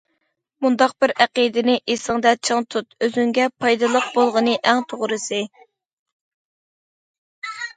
مۇنداق بىر ئەقىدىنى ئېسىڭ دە چىڭ تۇت: ئۆزۈڭگە پايدىلىق بولغىنى ئەڭ توغرىسى.